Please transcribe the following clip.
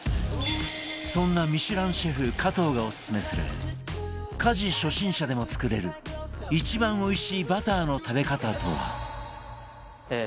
そんなミシュランシェフ加藤がオススメする家事初心者でも作れる一番おいしいバターの食べ方とは？